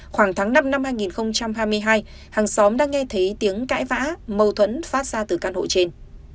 khoảng tháng năm năm hai nghìn hai mươi hai hàng xóm đã nghe thấy tiếng cãi vã mâu thuẫn phát ra từ căn hộ trên